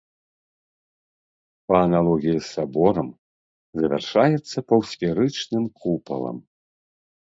Па аналогіі з саборам завяршаецца паўсферычным купалам.